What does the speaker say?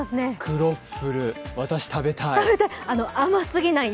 クロッフル、私、食べたい。